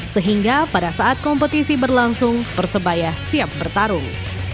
sehingga pada saat kompetisi berlangsung persebaya siap bertarung